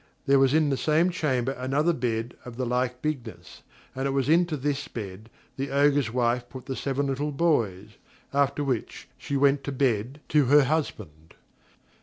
There was in the same chamber another bed of the like bigness, and it was into this bed the Ogre's wife put the seven little boys; after which she went to bed to her husband.